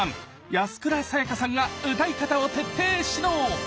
安倉さやかさんが歌い方を徹底指導！